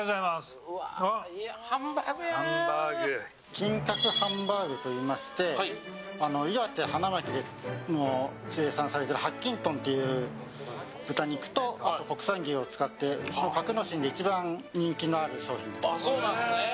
金格ハンバーグといいまして岩手・花巻で生産されている白金豚という豚肉と国産牛を使っていて格之進で一番人気がある商品です。